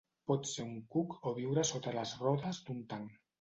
Pot ser un cuc o viure sota les rodes d'un tanc.